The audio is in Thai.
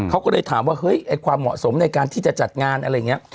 เขาก็เลยถามว่าเฮ้ยไอ้ความเหมาะสมในการที่จะจัดงานอะไรอย่างนี้